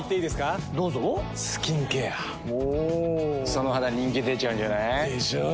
その肌人気出ちゃうんじゃない？でしょう。